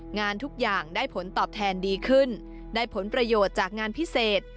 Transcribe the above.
งานทุกอย่างได้ผลตอบแทนดีขึ้นได้ผลประโยชน์จากงานพิเศษ